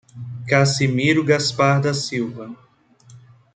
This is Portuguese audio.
Cassimiro Gaspar da Silva